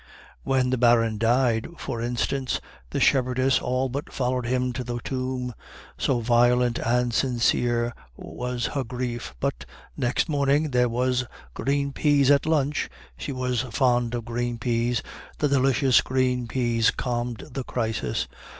"When the Baron died, for instance, the Shepherdess all but followed him to the tomb, so violent and sincere was her grief, but next morning there was green peas at lunch, she was fond of green peas, the delicious green peas calmed the crisis.